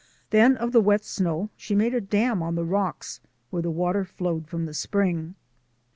Then of the wet snow she made a dam on the rocks where the water flowed from the spring.